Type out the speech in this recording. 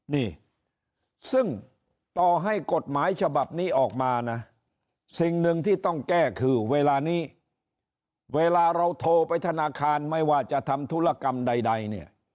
นี่ซึ่งต่อให้กฎหมายฉบับนี้ออกมานะสิ่งหนึ่งที่ต้องแก้คือเวลานี้เวลาเราโทรไปธนาคารไม่ว่าจะทำธุรกรรมใดเนี่ย